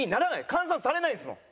換算されないんですもん。